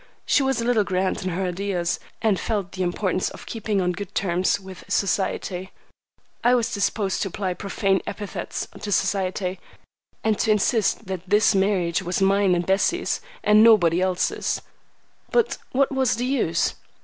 She was a little grand in her ideas, and felt the importance of keeping on good terms with society. I was disposed to apply profane epithets to society, and to insist that this marriage was mine and Bessie's, and nobody's else. But what was the use?